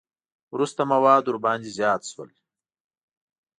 وروسته مواد ورباندې زیات شول.